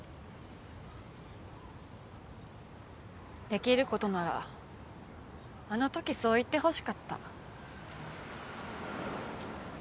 できることならあのときそう言ってほしかった。